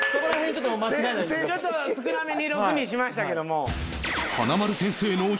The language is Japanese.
ちょっと少なめに６にしましたけども。